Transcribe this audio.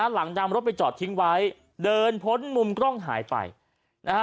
นำรถไปจอดทิ้งไว้เดินพ้นมุมกล้องหายไปนะฮะ